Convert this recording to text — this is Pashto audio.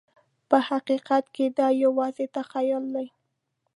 په حقیقت کې دا یوازې تخیل دی.